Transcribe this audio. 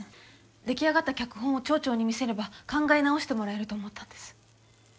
出来上がった脚本を町長に見せれば考え直してもらえると思ったんです。